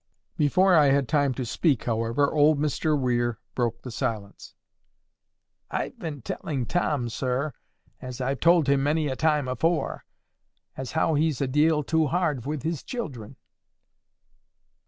Before I had time to speak, however, old Mr Weir broke the silence. "I've been telling Tom, sir, as I've told him many a time afore, as how he's a deal too hard with his children."